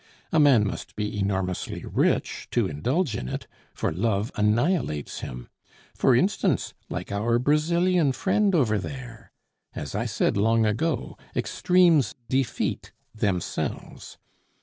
A man must be enormously rich to indulge in it, for love annihilates him for instance, like our Brazilian friend over there. As I said long ago, 'Extremes defeat themselves.